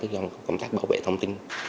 trong công tác bảo vệ thông tin